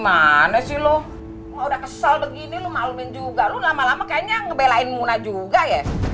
mana sih lo udah kesel begini lu maklumin juga lu lama lama kayaknya ngebelain muna juga ya